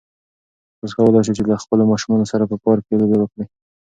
تاسو کولای شئ چې له خپلو ماشومانو سره په پارک کې لوبې وکړئ.